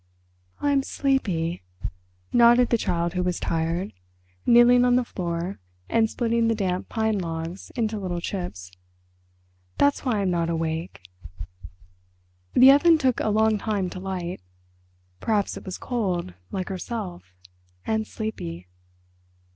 "I'm sleepy," nodded the Child Who Was Tired, kneeling on the floor and splitting the damp pine logs into little chips. "That's why I'm not awake." The oven took a long time to light. Perhaps it was cold, like herself, and sleepy....